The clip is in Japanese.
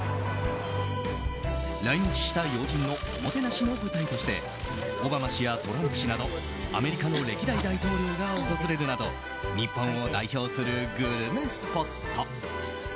来日した要人のおもてなしの舞台としてオバマ氏やトランプ氏などアメリカの歴代大統領が訪れるなど日本を代表するグルメスポット。